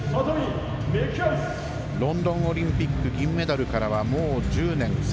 ロンドンオリンピック銀メダルからはもう１０年。